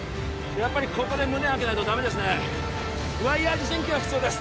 やっぱりここで胸開けないとダメですねワイヤー持針器が必要です